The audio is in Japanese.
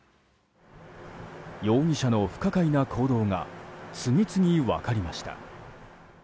容疑者の不可解な行動が次々分かりました。